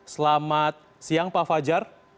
selamat siang pak fajar